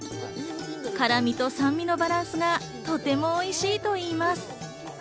辛味と酸味のバランスがとてもおいしいと言います。